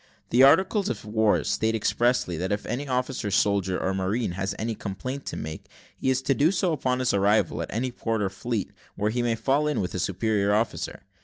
The articles of war state expressly, that if any officer, soldier or marine, has any complaint to make, he is to do so upon his arrival at any port or fleet, where he may fall in with a superior officer.